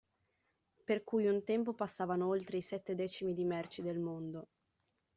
Per cui un tempo passavano oltre i sette decimi di merci del mondo.